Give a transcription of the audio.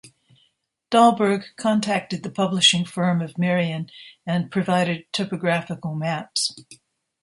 Dahlbergh contacted the publishing firm of Merian and provided topographical maps.